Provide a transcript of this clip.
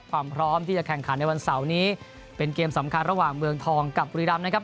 พร้อมที่จะแข่งขันในวันเสาร์นี้เป็นเกมสำคัญระหว่างเมืองทองกับบุรีรำนะครับ